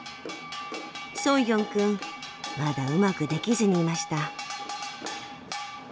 ソンヒョンくんまだうまくできずにいました。